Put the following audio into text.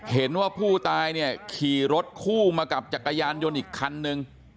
เห็นว่าผู้ตายเนี่ยขี่รถคู่มากับจักรยานยนต์อีกคันนึง